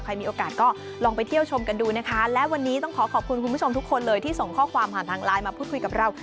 มีโอกาสก็ลองไปเที่ยวชมกันดูนะคะและวันนี้ต้องขอขอบคุณคุณผู้ชมทุกคนเลยที่ส่งข้อความผ่านทางไลน์มาพูดคุยกับเรา